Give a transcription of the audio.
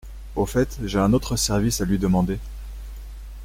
Au fait, j’ai un autre service à lui demander.